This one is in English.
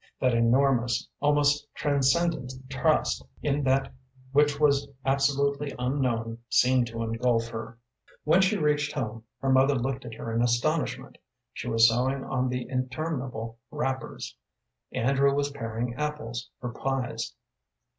That enormous, almost transcendent trust in that which was absolutely unknown seemed to engulf her. When she reached home, her mother looked at her in astonishment. She was sewing on the interminable wrappers. Andrew was paring apples for pies.